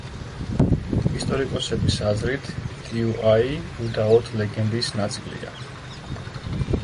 ისტორიკოსების აზრით, ტიუაი უდაოდ ლეგენდის ნაწილია.